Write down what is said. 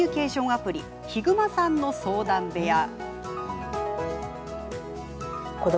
アプリひぐまさんの相談部屋。